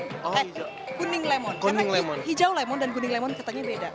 kuning lemon karena hijau lemon dan kuning lemon katanya beda